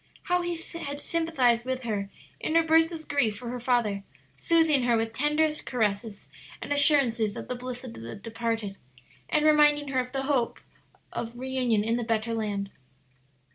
How he had sympathized with her in her bursts of grief for her father, soothing her with tenderest caresses and assurances of the bliss of the departed, and reminding her of the blessed hope of reunion in the better land.